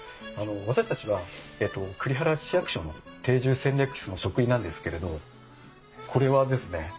あの私たちは栗原市役所の定住戦略室の職員なんですけれどこれはですね